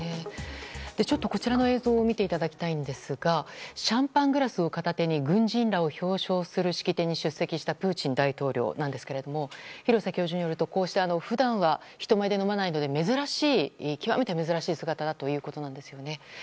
こちらの映像を見ていただきたいんですがシャンパングラスを片手に軍人らを表彰する式典に出席したプーチン大統領ですが廣瀬教授によると普段は人前で飲まないので極めて珍しい姿だということなんです。